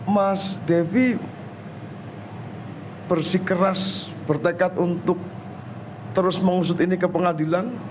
mas devi bersikeras bertekad untuk terus mengusut ini ke pengadilan